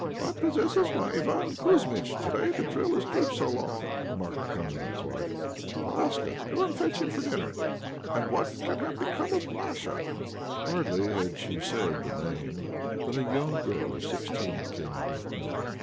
"What possesses my Iván Kouzmitch to day to drill his troops so long?" remarked the Commandant's wife. "Palashka, go and fetch him for dinner. And what can have become of Masha?" Hardly had she said the name than a young girl of sixteen came into the room.